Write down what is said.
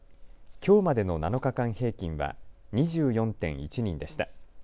きょうまでの７日間平均は２４．１人でした。